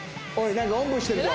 なんかおんぶしてるぞ！